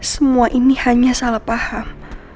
semua ini hanya salah paham